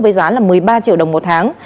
với giá là một mươi ba triệu đồng một tháng